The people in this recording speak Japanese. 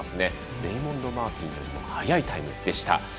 レイモンド・マーティンよりも速いタイムでした。